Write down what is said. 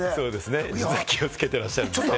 皆さん、気をつけてらっしゃるんですね。